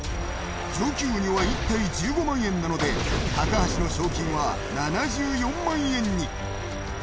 上級鬼は１体１５万円なので、高橋の賞金は７４万円に。